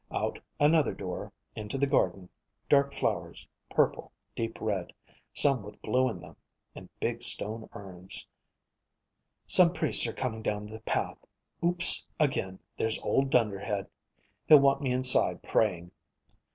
Out another door, into the garden, dark flowers, purple, deep red, some with blue in them, and big stone urns. Some priests are coming down the path. Ooops again, there's old Dunderhead. He'll want me inside praying.